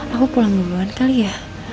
aku pulang duluan kali ya